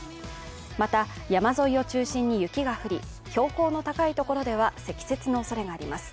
また、山沿いを中心に雪が降り、標高の高いところでは積雪のおそれがあります。